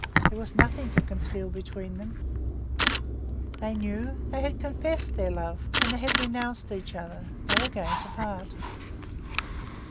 There was nothing to conceal between them; they knew, they had confessed their love, and they had renounced each other; they were going to part.